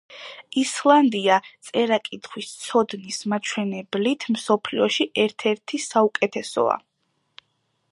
ისლანდია წერა-კითხვის ცოდნის მაჩვენებლით მსოფლიოში ერთ-ერთი საუკეთესოა.